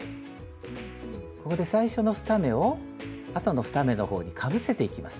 ここで最初の２目をあとの２目の方にかぶせていきます。